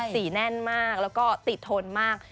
แน่นมากแล้วก็ติดทนมาก